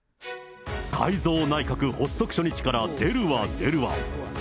改造内閣発足初日から出るわ、出るわ。